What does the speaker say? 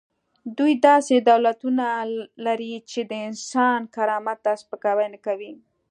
دوی داسې دولتونه لري چې د انسان کرامت ته سپکاوی نه کوي.